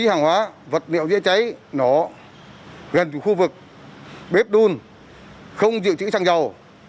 bố trí hàng hóa vật liệu dễ cháy nổ gần chủ khu vực bếp đun không dự trữ xăng dầu